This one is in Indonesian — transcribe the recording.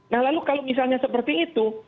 nah lalu kalau misalnya seperti itu